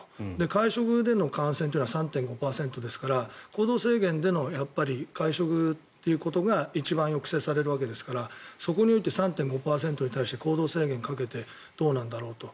会食での感染は３．５％ですから行動制限での会食ということが一番抑制されるわけですからそこにおいて３．５％に対して行動制限かけてどうなんだろうと。